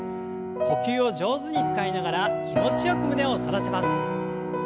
呼吸を上手に使いながら気持ちよく胸を反らせます。